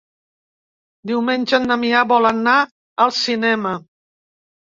Diumenge en Damià vol anar al cinema.